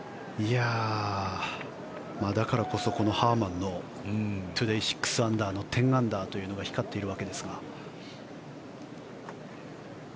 だからこそこのハーマンのトゥデー６アンダーの１０アンダーというのが光っているわけですが。